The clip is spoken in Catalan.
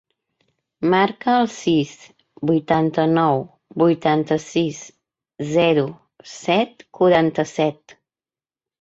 Marca el sis, vuitanta-nou, vuitanta-sis, zero, set, quaranta-set.